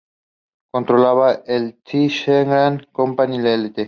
Controlaba la The Seagram Company Ltd.